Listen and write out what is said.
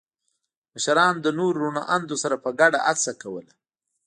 مشرانو له نورو روڼ اندو سره په ګډه هڅه کوله.